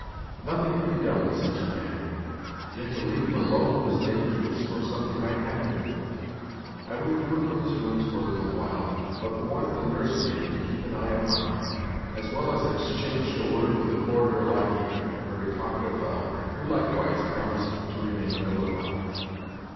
Nothing could be done with such a man. Yet to leave him alone was dangerous, for something might happen to him. I withdrew from his rooms for a little while, but warned the nursemaid to keep an eye upon him, as well as exchanged a word with the corridor lacquey (a very talkative fellow), who likewise promised to remain on the look out.